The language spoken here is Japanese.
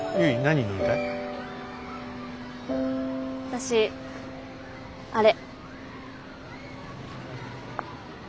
私あれ。